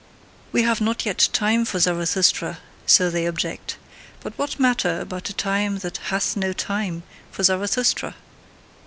"We have not yet time for Zarathustra" so they object; but what matter about a time that "hath no time" for Zarathustra?